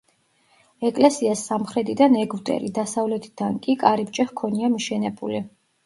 ეკლესიას სამხრეთიდან ეგვტერი, დასავლეთიდან კი კარიბჭე ჰქონია მიშენებული.